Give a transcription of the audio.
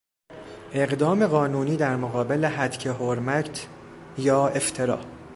اقدام قانونی در مقابل هتک حرمت یا افترا